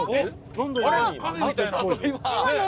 カフェみたいなの。